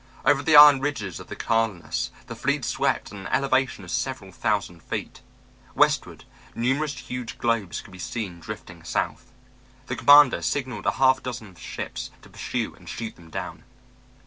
Over the iron ridges of the Catalinas the fleet swept at an elevation of several thousand feet. Westward, numerous huge globes could be seen drifting south. The commander signaled a half dozen of his ships to pursue and shoot them down.